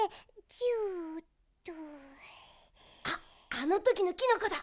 あのときのキノコだ。